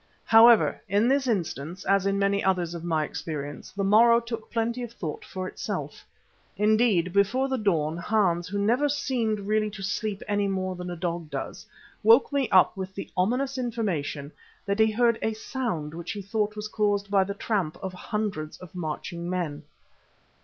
However, in this instance, as in many others of my experience, the morrow took plenty of thought for itself. Indeed, before the dawn, Hans, who never seemed really to sleep any more than a dog does, woke me up with the ominous information that he heard a sound which he thought was caused by the tramp of hundreds of marching men.